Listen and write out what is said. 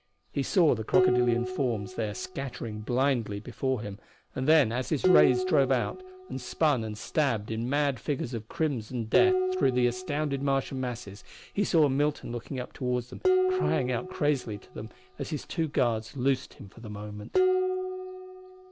He saw the crocodilian forms there scattering blindly before him, and then as his rays drove out and spun and stabbed in mad figures of crimson death through the astounded Martian masses he saw Milton looking up toward them, crying out crazily to them as his two guards loosed him for the moment.